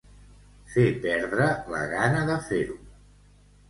Fer perdre la gana de fer-ho.